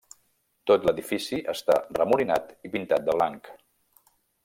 Tot l'edifici està remolinat i pintat de blanc.